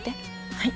はい。